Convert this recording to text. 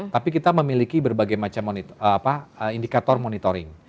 tapi kita memiliki berbagai macam indikator monitoring